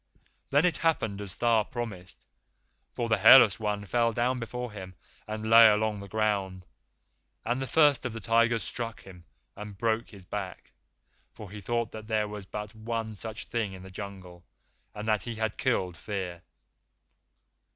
Then it happened as Tha promised, for the Hairless One fell down before him and lay along the ground, and the First of the Tigers struck him and broke his back, for he thought that there was but one such Thing in the Jungle, and that he had killed Fear.